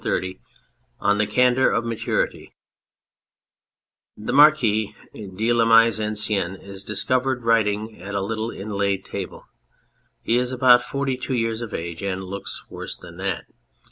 211 P2 THE CANDOUR OF MATURIT (The Marquis DE LA MISE EN SCENE is discovered writing at a little inlaid table. He is about 42 years of age, and looks worse than that.